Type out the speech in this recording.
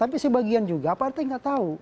tapi sebagian juga pak rt nggak tahu